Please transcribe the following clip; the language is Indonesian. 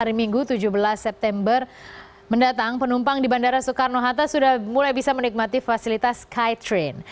hari minggu tujuh belas september mendatang penumpang di bandara soekarno hatta sudah mulai bisa menikmati fasilitas skytrain